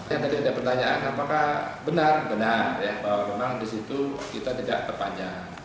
jadi ada pertanyaan apakah benar benar ya bahwa memang disitu kita tidak terpanjang